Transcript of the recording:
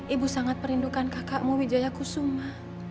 ibu sangat merindukan kakakmu wijaya kusuma